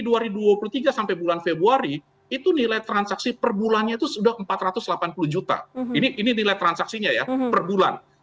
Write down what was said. dari dua ribu dua puluh tiga sampai bulan februari itu nilai transaksi per bulannya itu sudah empat ratus delapan puluh juta ini nilai transaksinya ya per bulan